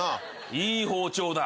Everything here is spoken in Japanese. いい包丁だ。